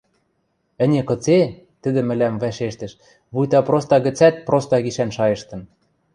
— Ӹне кыце? — тӹдӹ мӹлӓм вӓшештӹш, вуйта проста гӹцӓт проста гишӓн шайыштын.